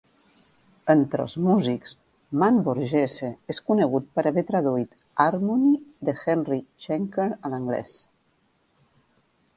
Entre els músics, Mann Borgese és conegut per haver traduït "Harmony", de Heinrich Schenker, a l'anglès.